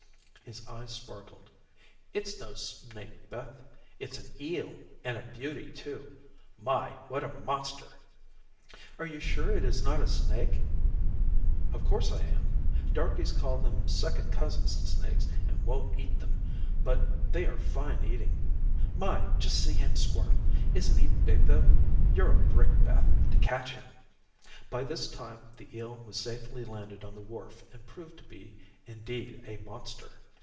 His eyes sparkled. "It's no snake, Beth. It's an eel and a beauty too. My, what a monster!" "Are you sure it is not a snake?" "Of course I am. Darkies call them second cousins to snakes and won't eat them, but they are fine eating. My, just see him squirm. Isn't he big, though? You're a brick, Beth, to catch him." By this time, the eel was safely landed on the wharf, and proved to be indeed a monster.